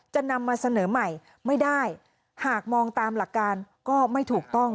จะนำมาเสนอใหม่ไม่ได้หากมองตามหลักการก็ไม่ถูกต้อง